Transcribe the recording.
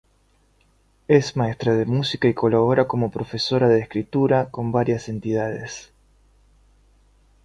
Es maestra de música y colabora como profesora de escritura con varias entidades.